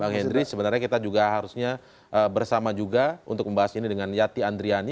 bang henry sebenarnya kita juga harusnya bersama juga untuk membahas ini dengan yati andriani